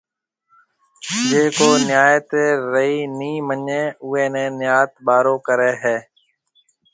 جيَ ڪو نيات رِي نِي مڃيَ اوئيَ نيَ نيات ٻارو ڪري ھيََََ